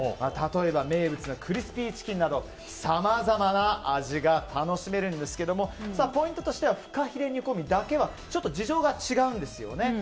例えば名物のクリスピーチキンなどさまざまな味が楽しめるんですがポイントとしてはフカヒレ煮込みだけは事情が違うんです。